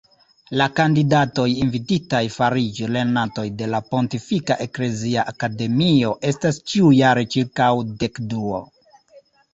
La kandidatoj invititaj fariĝi lernantoj de la Pontifika Eklezia Akademio estas ĉiujare ĉirkaŭ dekduo.